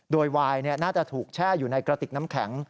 โดยวายน่าจะถูกแช่อยู่ในกระติกน้ำแข็ง